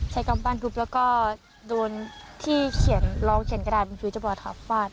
ใช้กำปั้นทุบแล้วก็โดนที่เขียนร้องเขียนกระดาษเป็นชีวิตจับออกทางฝาด